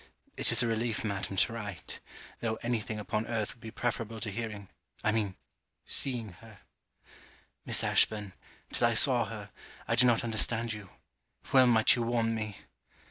It is a relief, madam, to write tho' any thing upon earth would be preferable to hearing I mean, seeing her. Miss Ashburn, till I saw her, I did not understand you. Well might you warn me!